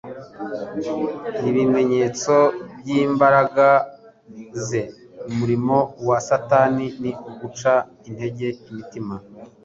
n'ibimenyetso by'imbaraga ze. Umurimo wa Satani ni uguca intege imitima;